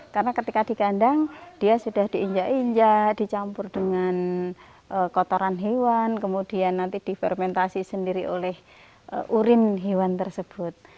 karena ketika di kandang dia sudah diinjak injak dicampur dengan kotoran hewan kemudian nanti difermentasi sendiri oleh urin hewan tersebut